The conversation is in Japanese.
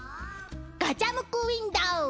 ガチャムクウインドー。